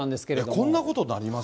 こんなことになります？